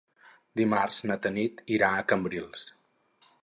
Dimarts na Tanit irà a Cambrils.